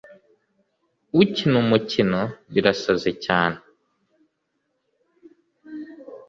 ukina umukino, birasaze cyane